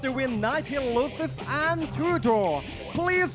เพื่อให้ตัดสร้างของตัดสร้างของตัดสร้าง